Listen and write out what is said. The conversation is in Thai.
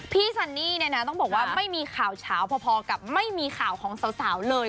ซันนี่เนี่ยนะต้องบอกว่าไม่มีข่าวเฉาพอกับไม่มีข่าวของสาวเลย